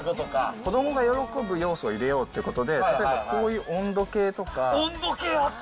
子どもが喜ぶ要素を入れようっていうことで、例えばこういう温度計、あった！